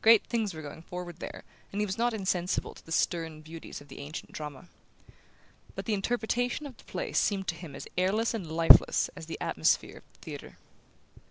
Great things were going forward there, and he was not insensible to the stern beauties of the ancient drama. But the interpretation of the play seemed to him as airless and lifeless as the atmosphere of the theatre.